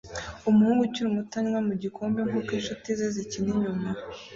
Umuhungu ukiri muto anywa mu gikombe nkuko inshuti ze zikina inyuma